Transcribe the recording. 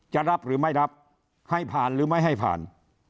จะรับหรือไม่รับให้ผ่านหรือไม่ให้ผ่าน